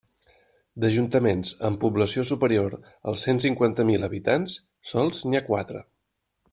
D'ajuntaments amb població superior als cent cinquanta mil habitants, sols n'hi ha quatre.